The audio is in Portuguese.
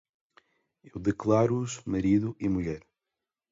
E eu os declaro: Marido e Mulher.